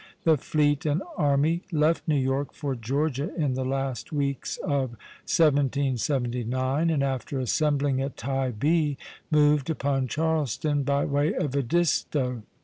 The fleet and army left New York for Georgia in the last weeks of 1779, and after assembling at Tybee, moved upon Charleston by way of Edisto.